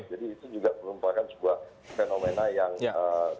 jadi itu juga merupakan sebuah fenomena yang tidak usah dikonspirasi